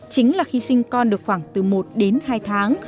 chính là khi sinh con được khoảng từ một đến hai tháng